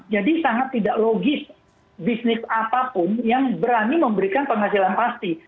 jadi sangat tidak logis bisnis apapun yang berani memberikan penghasilan pasti